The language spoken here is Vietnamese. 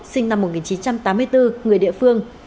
sinh năm một nghìn chín trăm tám mươi bốn người địa phương